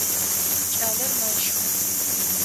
Кӏалэр мэщхы.